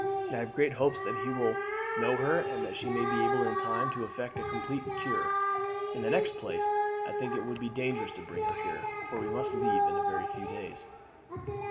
I have great hopes that he will know her, and that she may be able in time to effect a complete cure. In the next place I think it would be dangerous to bring her here, for we must leave in a very few days."